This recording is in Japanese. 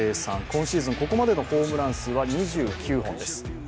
今シーズン、ここまでのホームラン数は２９本です。